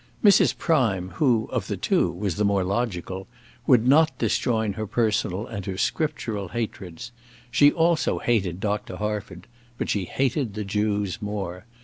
Mrs. Prime, who, of the two, was the more logical, would not disjoin her personal and her scriptural hatreds. She also hated Dr. Harford; but she hated the Jews more.